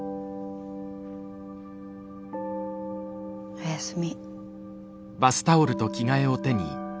おやすみ。